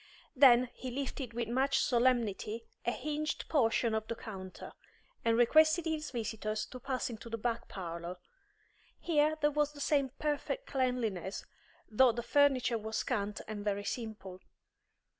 Then he lifted with much solemnity a hinged portion of the counter, and requested his visitors to pass into the back parlour. Here there was the same perfect cleanliness, though the furniture was scant and very simple.